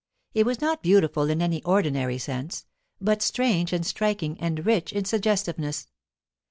It was not beautiful in any ordinary sense, but strange and striking and rich in suggestiveness.